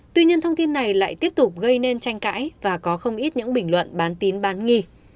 tuy nhiên thông tin này lại tiếp tục gây nên tranh cãi và có không ít những bình luận bán tín bán nghi